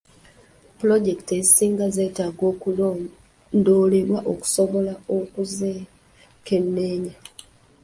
Pulojekiti ezisinga zetaaga okulondoolebwa okusobola okuzekenneenya.